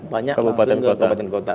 banyak langsung ke kabupaten kota